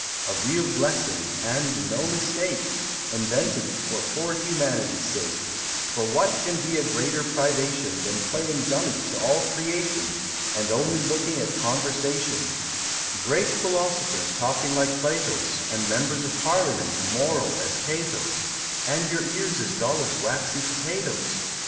A Real Blessing and no mistake, Invented for poor Humanity's sake; For what can be a greater privation Than playing Dummy to all creation, And only looking at conversation Great Philosophers talking like Platos, And Members of Parliament moral as Catos, And your ears as dull as waxy potatoes!